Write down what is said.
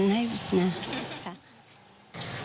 ที่สุขติและไม่ต้องห่วงประชาชน